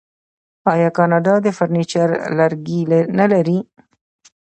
آیا کاناډا د فرنیچر لرګي نلري؟